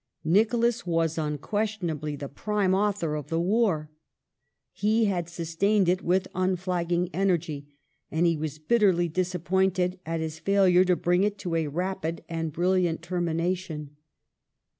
Nicholas March was unquestionably the prime author of the war; he had sustained^" '^ it with unflagging energy, and he was bitterly disappointed at his failure to bring it to a rapid and brilliant termination.